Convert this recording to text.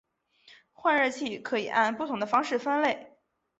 换热器可以按不同的方式分类。